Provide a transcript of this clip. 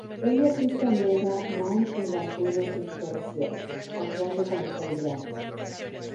Ella asiste a Mega Man en las ruinas de exploración, actuando como su ayudante.